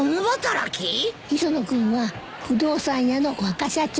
磯野君は不動産屋の若社長。